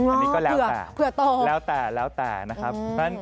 อันนี้ก็แล้วแต่เผื่อโตแล้วแต่แล้วแต่นะครับ